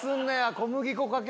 小麦粉かけるの？